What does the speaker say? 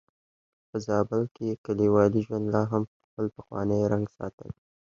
په زابل کې کليوالي ژوند لا هم خپل پخوانی رنګ ساتلی.